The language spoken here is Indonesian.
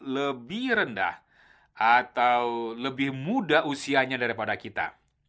lebih rendah atau lebih muda usianya daripada kita